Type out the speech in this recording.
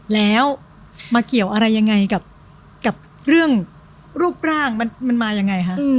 แล้วมาเกี่ยวอะไรยังไงกับเรื่องรูปร่างมันมายังไงคะ